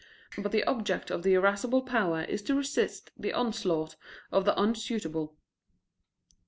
But the object of the irascible power is to resist the onslaught of the unsuitable.